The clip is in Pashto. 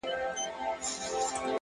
د حقیقت درناوی باور زیاتوي